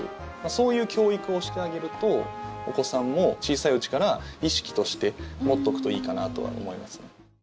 そういう教育をしてあげるとお子さんも小さいうちから意識として持っておくといいかなとは思いますね。